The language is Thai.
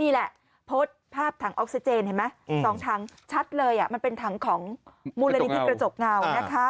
นี่แหละโพสต์ภาพถังออกซิเจนเห็นไหม๒ถังชัดเลยมันเป็นถังของมูลนิธิกระจกเงานะคะ